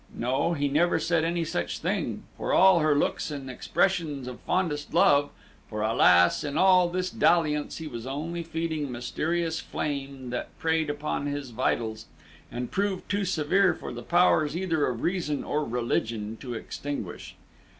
No, he never said any such thing, for all her looks and expressions of fondest love; for, alas! in all this dalliance he was only feeding a mysterious flame that preyed upon his vitals, and proved too severe for the powers either of reason or religion to extinguish.